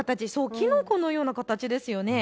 きのこのような形ですよね。